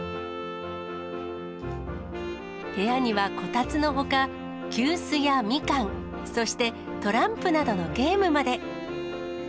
部屋には、こたつのほか、急須やみかん、そしてトランプなどのゲームまで。